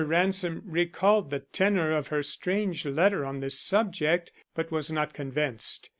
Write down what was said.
Ransom recalled the tenor of her strange letter on this subject, but was not convinced.